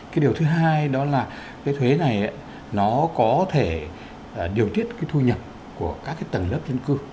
cái điều thứ hai đó là cái thuế này nó có thể điều tiết cái thu nhập của các cái tầng lớp dân cư